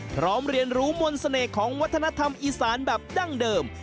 พร้อมเรียนรู้มนต์เสน่ห์ของวัฒนธรรมอีสานแบบดั้งเดิม